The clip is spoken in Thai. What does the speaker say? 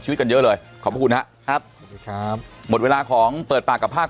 ชีวิตกันเยอะเลยขอบคุณนะครับหมดเวลาของเปิดปากกับภาค